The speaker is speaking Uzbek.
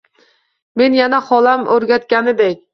Men yana holam o'rgatganidek: